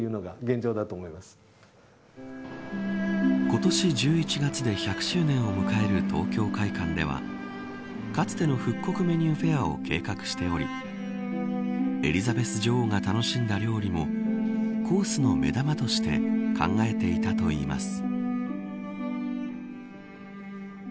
今年１１月で１００周年を迎える東京會舘ではかつての復刻メニューフェアを計画しておりエリザベス女王が楽しんだ料理もコースの目玉として考えていたといいます。